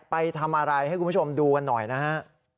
ไปทำอะไรให้คุณผู้ชมดูกันหน่อยนะฮะ